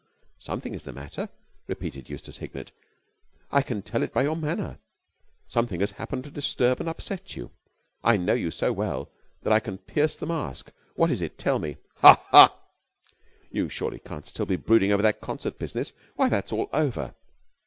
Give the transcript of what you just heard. "Something is the matter," persisted Eustace Hignett, "I can tell it by your manner. Something has happened to disturb and upset you. I know you so well that I can pierce the mask. What is it? Tell me." "Ha, ha!" "You surely can't still be brooding on that concert business? Why, that's all over.